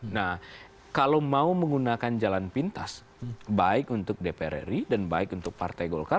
nah kalau mau menggunakan jalan pintas baik untuk dpr ri dan baik untuk partai golkar